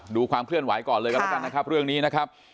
ความเคลื่อนไหวก่อนเลยกันแล้วกันนะครับเรื่องนี้นะครับ